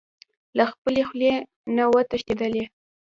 له خپلې خولې نه و تښتېدلی.